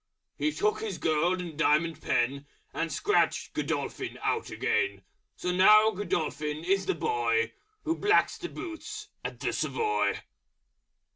He took his Gold and Diamond Pen And Scratched Godolphin out again. So now Godolphin is the Boy Who blacks the Boots at the Savoy.